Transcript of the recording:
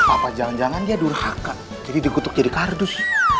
apa jangan jangan dia durhaka jadi dikutuk jadi kardus